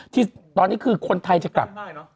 ที่ตอนนี้คือคนไทยจะกลับ